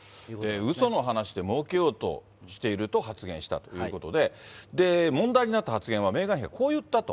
うその話でもうけようとしていると発言したということで、問題になった発言は、メーガン妃がこう言ったと。